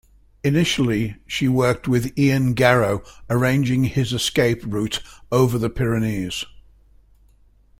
Initially she worked with Ian Garrow arranging his escape route over the Pyrenees.